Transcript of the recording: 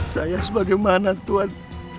saya sebagaimana tuhan